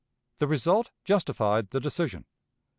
The result justified the decision.